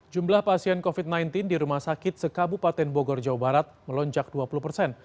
jumlah pasien covid sembilan belas di rumah sakit sekabupaten bogor jawa barat melonjak dua puluh persen